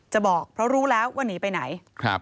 บอกเพราะรู้แล้วว่าหนีไปไหน